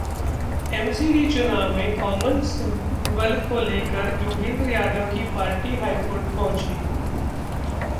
MCD चुनाव में common symbol को लेकर योगेन्द्र यादव की पार्टी हाईकोर्ट पहुंची